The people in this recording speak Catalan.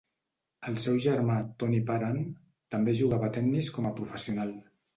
El seu germà, Tony Parun, també jugava a tennis com a professional.